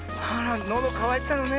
のどかわいてたのね。